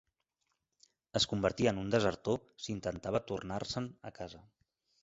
Es convertia en un desertor si intentava tornar-se'n a casa